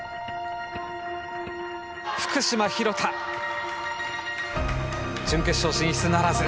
福島廣田準決勝進出ならず。